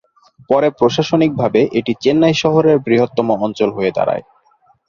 পরে প্রশাসনিকভাবে এটি চেন্নাই শহরের বৃহত্তম অঞ্চল হয়ে দাঁড়ায়।